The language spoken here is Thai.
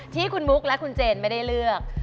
ที่คุณมุกและคุณเจนไม่ได้เลือก